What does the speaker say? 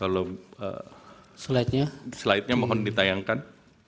kalau slide nya slidenya mohon ditayangkan